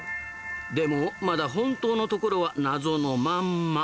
でもまだ本当のところは謎のまんま。